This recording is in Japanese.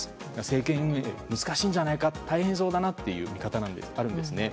政権運営が難しいんじゃないか大変そうだなという見方があるんですね。